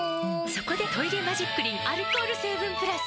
そこで「トイレマジックリン」アルコール成分プラス！